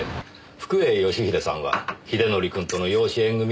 福栄義英さんは英則くんとの養子縁組を決めたそうです。